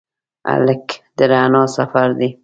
هلک د رڼا سفر دی.